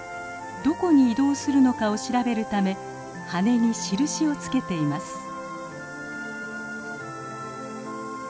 どこに移動するのかを調べるため羽に印を付けています。